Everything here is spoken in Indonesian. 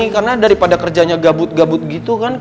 karena daripada kerjanya gabut gabut gitu kan kayak